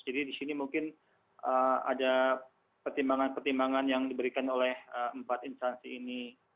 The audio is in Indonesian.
jadi di sini mungkin ada pertimbangan pertimbangan yang diberikan oleh empat instansi ini